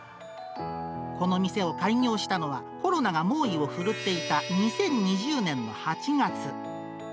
この店を開業したのは、コロナが猛威を振るっていた２０２０年の８月。